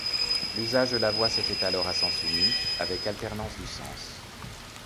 L'usage de la voie se fait alors à sens unique, avec alternance du sens.